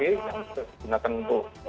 yang digunakan untuk